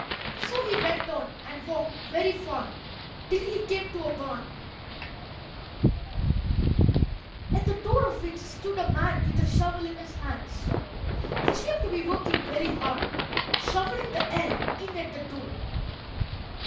So he went on, and walked very far till he came to a barn, at the door of which stood a man with a shovel in his hands. He seemed to be working very hard, shovelling the air in at the door.